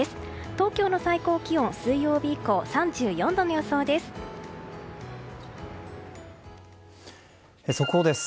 東京の最高気温水曜日以降３４度の予想です。